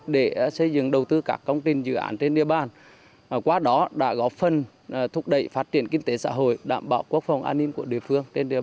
để phát triển kinh tế xóa đói giảm nghèo dự vựng quốc phòng an ninh đường viên cột mốc